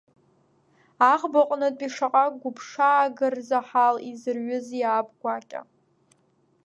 Аӷба аҟнытәи шаҟа гәыԥшаагарзаҳал изырҩызеи аб гәакьа.